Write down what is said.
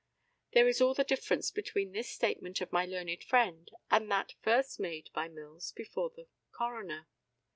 There is all the difference between this statement of my learned friend and that first made by Mills before the coroner.